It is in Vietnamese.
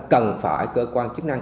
cần phải cơ quan chức năng